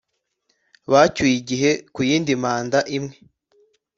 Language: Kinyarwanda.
Bacyuye igihe ku yindi manda imwe